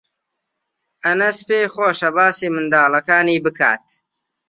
ئەنەس پێی خۆشە باسی منداڵەکانی بکات.